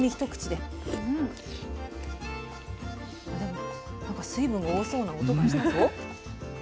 でもなんか水分が多そうな音がしたぞ。